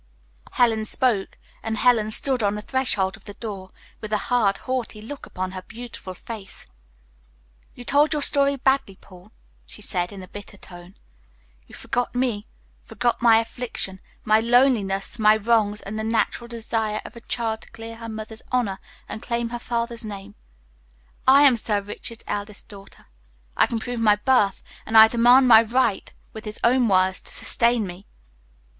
Helen spoke, and Helen stood on the threshold of the door, with a hard, haughty look upon her beautiful face. "You told your story badly, Paul," she said, in a bitter tone. "You forgot me, forgot my affliction, my loneliness, my wrongs, and the natural desire of a child to clear her mother's honor and claim her father's name. I am Sir Richard's eldest daughter. I can prove my birth, and I demand my right with his own words to sustain me."